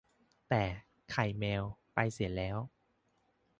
แต่ ไข่แมว ไปเสียแล้ว